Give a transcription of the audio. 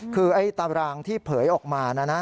คือไอ้ตารางที่เผยออกมานะนะ